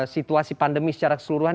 situasi pandemi secara keseluruhan